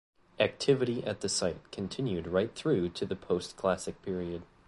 Activity at the site continued right through to the Postclassic period.